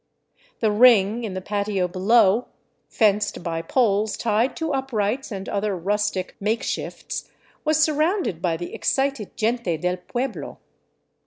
The " ring " in the patio below, fenced by poles tied to uprights and other rustic make shifts, was surrounded by the excited gente del pueblo.